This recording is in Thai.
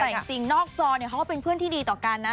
แต่จริงนอกจอเนี่ยเขาก็เป็นเพื่อนที่ดีต่อกันนะ